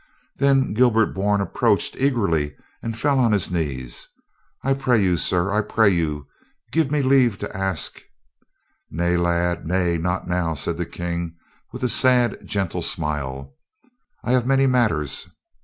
Then Gilbert Bourne approached eagerly and fell on his knee. "I pray you, sir, I pray you, give me leave to ask —" "Nay, lad, nay, not now," said the King with a sad, gentle smile. "I have many matters."